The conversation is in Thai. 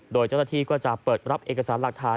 โดยเจ้าหน้าที่ก็จะเปิดรับเอกสารหลักฐาน